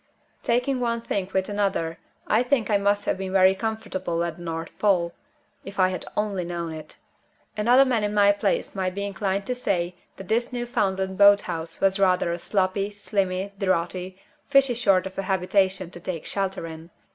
Taking one thing with another, I think I must have been very comfortable at the North Pole if I had only known it. Another man in my place might be inclined to say that this Newfoundland boat house was rather a sloppy, slimy, draughty, fishy sort of a habitation to take shelter in.